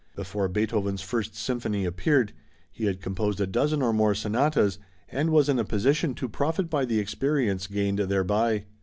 Before Beethoven's First Symphony appeared, he had composed a dozen or more sonatas and was in a position to profit by the experience gained thereby.